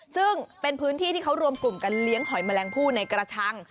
ซึ่งเป็นพื้นที่ที่เขารวมกลุ่มกันเลี้ยงหอยแมลงผู้ในกระชัง